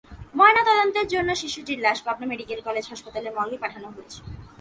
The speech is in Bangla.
ময়নাতদন্তের জন্য শিশুটির লাশ পাবনা মেডিকেল কলেজ হাসপাতালের মর্গে পাঠানো হয়েছে।